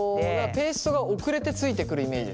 ペーストが遅れてついてくるイメージですよね。